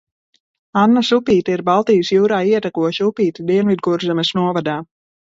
Annas upīte ir Baltijas jūrā ietekoša upīte Dienvidkurzemes novadā.